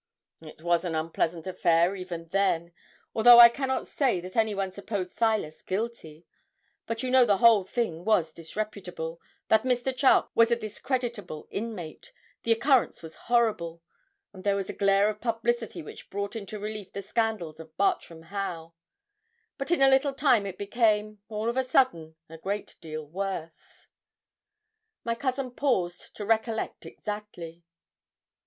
'It was an unpleasant affair even then, although I cannot say that anyone supposed Silas guilty; but you know the whole thing was disreputable, that Mr. Charke was a discreditable inmate, the occurrence was horrible, and there was a glare of publicity which brought into relief the scandals of Bartram Haugh. But in a little time it became, all on a sudden, a great deal worse.' My cousin paused to recollect exactly.